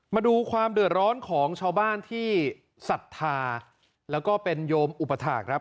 มาดูความเดือดร้อนของชาวบ้านที่ศรัทธาแล้วก็เป็นโยมอุปถาคครับ